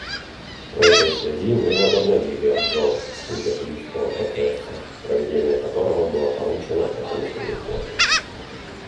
В этой связи мы возобновили обзор Кимберлийского процесса, проведение которого было поручено этому комитету.